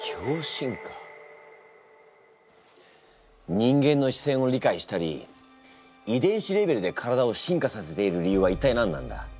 人間の視線を理解したり遺伝子レベルで体を進化させている理由は一体何なんだ？